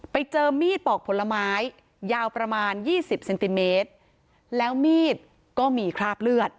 ไปเจอมีดปอกผลไม้ยาวประมาณยี่สิบเซนติเมตรแล้วมีดก็มีคราบเลือด